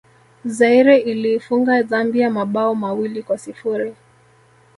zaire iliifunga zambia mabao mawili kwa sifuri